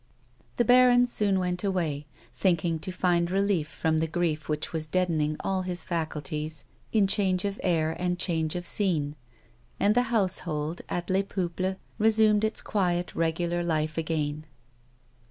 The baron soon went away, thinking to find relief from the grief which was deadening all his faculties in change of air and change of scene, and the household at Les Pcuples resumed its quiet regular life again.